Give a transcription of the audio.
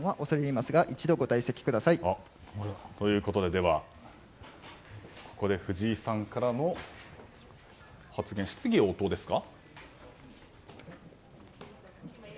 では、ここで藤井さんからの質疑応答ですか。